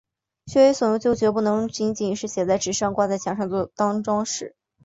学为所用就决不能仅仅是写在纸上、挂在墙上当‘装饰’